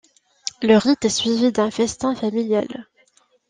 Le rite est suivi d'un festin familial.